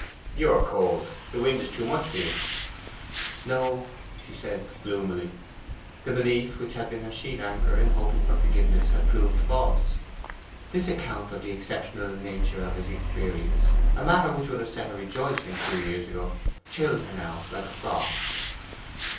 'You are cold is the wind too much for you?' 'No,' she said gloomily. The belief which had been her sheet anchor in hoping for forgiveness had proved false. This account of the exceptional nature of his experience, a matter which would have set her rejoicing two years ago, chilled her now like a frost.